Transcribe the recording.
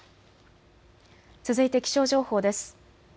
続いて気象情報です。